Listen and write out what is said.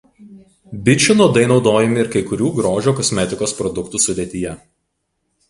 Bičių nuodai naudojami ir kai kurių grožio kosmetikos produktų sudėtyje.